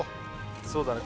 そうだね